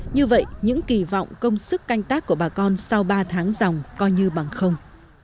như vậy những kỳ vọng công sức canh tác của bà con sau ba tháng dòng coi như bằng không